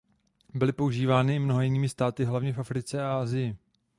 Byly používány i mnoha jinými státy hlavně v Africe a Asii.